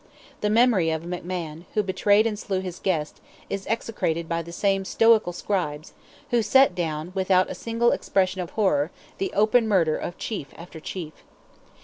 The memory of a McMahon, who betrayed and slew his guest, is execrated by the same stoical scribes, who set down, without a single expression of horror, the open murder of chief after chief.